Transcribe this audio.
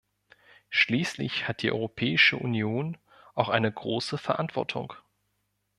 Schließlich hat die Europäische Union auch eine große Verantwortung.